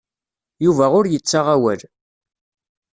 Yuba ur yettaɣ awal.